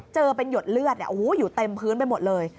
เจอเป็นหยดเลือดอยู่เต็มพื้นไปหมดเลย